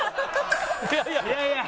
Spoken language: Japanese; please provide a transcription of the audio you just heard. いやいや。